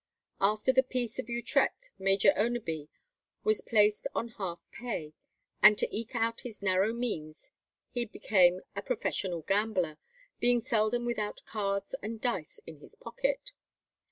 After the Peace of Utrecht Major Oneby was placed on half pay, and to eke out his narrow means he became a professional gambler, being seldom without cards and dice in his pocket.